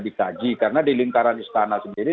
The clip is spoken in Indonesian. dikaji karena di lingkaran istana sendiri